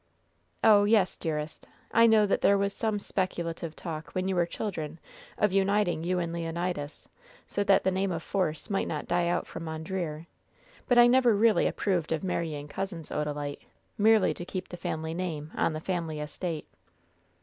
"Oh, yes, dearest, I know that there was some speculative talk when you were children of uniting you and Leonidas, so that the name of Force might not die out from Mondreer. But I never really approved of marrying cousins, Odalite, merely to keep the family name on the family estate."